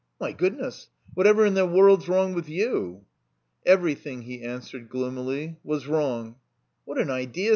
'' My goodness ! What ever in the world's wrong with you?" Everjrthing, he answered, gloomily, was wrong. "What an idea!"